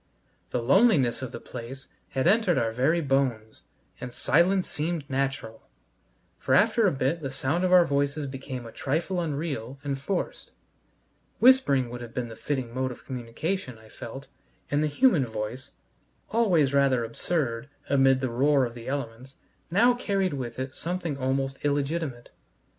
The loneliness of the place had entered our very bones, and silence seemed natural, for after a bit the sound of our voices became a trifle unreal and forced; whispering would have been the fitting mode of communication, I felt, and the human voice, always rather absurd amid the roar of the elements, now carried with it something almost illegitimate.